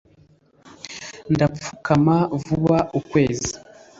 Ndapfukama vuba ukwezi